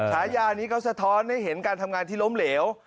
ฉายานี้เขาสะท้อนให้เห็นการทำงานที่ล้มเหลว